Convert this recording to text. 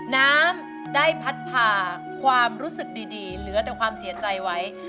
น้ำได้พัดผ่าความรู้สึกดีเหลือแต่ความเสียใจไว้